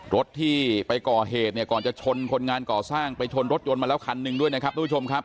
รถที่ไปก่อเหตุเนี่ยก่อนจะชนคนงานก่อสร้างไปชนรถยนต์มาแล้วคันหนึ่งด้วยนะครับทุกผู้ชมครับ